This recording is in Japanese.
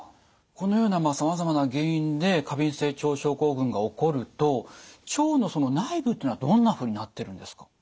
このようなさまざまな原因で過敏性腸症候群が起こると腸のその内部っていうのはどんなふうになってるんですか？